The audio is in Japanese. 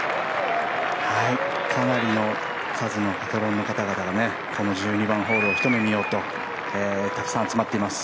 かなりの数のパトロンの方々が、この１２番ホールをひと目見ようとたくさん集まっています。